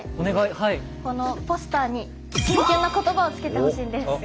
このポスターにキュンキュンな言葉をつけてほしいんです。